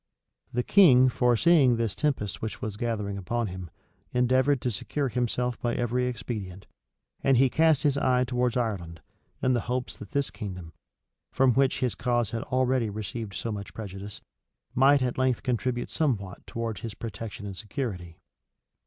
The king, foreseeing this tempest which was gathering upon him, endeavored to secure himself by every expedient; and he cast his eye towards Ireland, in hopes that this kingdom, from which his cause had already received so much prejudice, might at length contribute somewhat towards his protection and security.